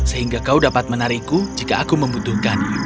sehingga kau dapat menarikku jika aku membutuhkannya